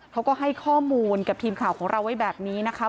เขาก็ให้ข้อมูลกับทีมข่าวของเราไว้แบบนี้นะคะ